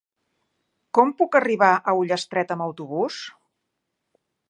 Com puc arribar a Ullastret amb autobús?